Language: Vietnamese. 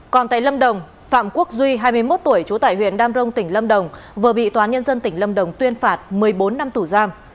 còn tại lâm đồng phạm quốc duy hai mươi một tuổi trú tại huyện đam rông tỉnh lâm đồng vừa bị tòa nhân dân tỉnh lâm đồng tuyên phạt một mươi bốn năm tù giam